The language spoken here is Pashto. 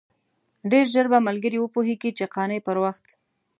ډېر ژر به ملګري وپوهېږي چې قانع پر وخت.